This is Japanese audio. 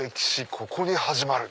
ここに始まる」。